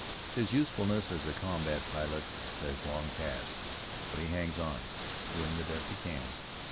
His usefulness as a combat pilot has long past, but he hangs on, doing the best he can.